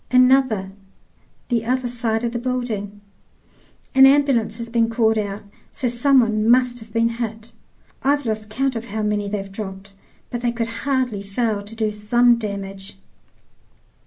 Another the other side of the building. An ambulance has been called out, so some one must have been hit; I've lost count of how many they've dropped, but they could hardly fail to do some damage.